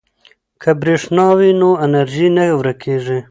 که برښنا وي نو انرژي نه ورکیږي.